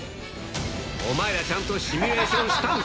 お前ら、ちゃんとシミュレーションしたんか！